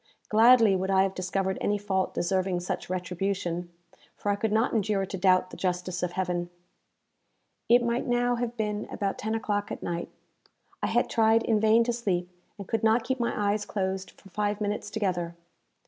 Gladly would I have discovered any fault deserving such retribution, for I could not endure to doubt the justice of Heaven. It might now have been about ten o'clock at night. I had tried in vain to sleep, and could not keep my eyes closed for five minutes together.